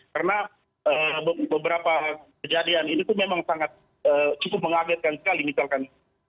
karena beberapa kejadian itu memang cukup mengagetkan sekali misalkan